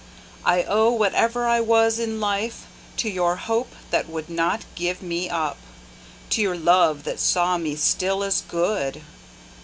I owe whatever I was in life To your hope that would not give me up, To your love that saw me still as good.